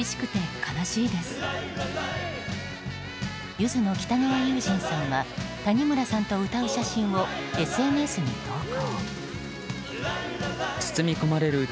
ゆずの北川悠仁さんは谷村さんと歌う写真をＳＮＳに投稿。